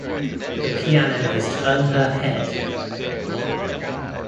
The piano has turned her head!